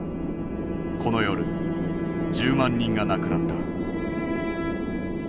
この夜１０万人が亡くなった。